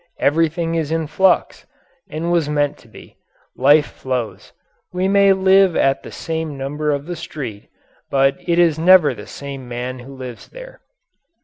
Everything is in flux, and was meant to be. Life flows. We may live at the same number of the street, but it is never the same man who lives there.